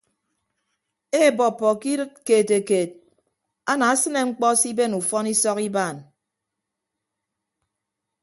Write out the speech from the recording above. Eebọppọ ke idịt keetekeet anaasịne ñkpọ siben ufọn isọk ibaan.